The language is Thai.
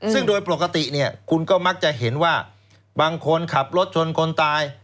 ซึ่งโดยปกติเนี่ยคุณก็มักจะเห็นว่าบางคนขับรถชนคนตาย